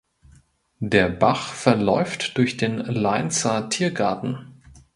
Der Bach verläuft durch den Lainzer Tiergarten.